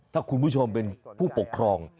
ถ้าคุณผู้ชมเป็นผู้ปกครอง